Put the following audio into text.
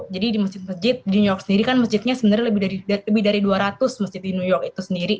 jadi di masjid masjid di new york sendiri kan masjidnya sebenarnya lebih dari dua ratus masjid di new york itu sendiri